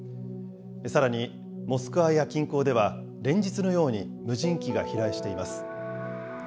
さらにモスクワや近郊では、連日のように無人機が飛来しています。